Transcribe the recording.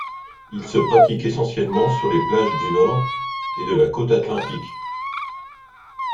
Il se pratique essentiellement sur les plages du nord et de la côte atlantique.